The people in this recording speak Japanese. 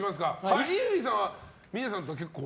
伊集院さんは峰さんと結構。